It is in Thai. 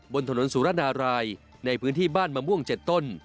บนถนนสุรนารายในพื้นที่บ้านมะม่วง๗ต้น